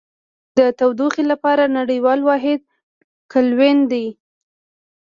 د تودوخې لپاره نړیوال واحد کلوین دی.